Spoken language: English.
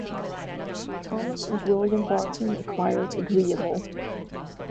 Thomas and William Barton acquired "Agreeable".